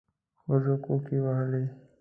ښځو کوکي وهلې.